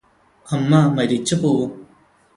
അമ്മ മരിച്ചു പോവും